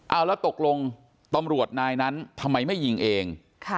เอาแล้วตกลงตำรวจนายนั้นทำไมไม่ยิงเอง